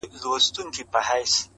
خاموسي لا هم قوي ده تل،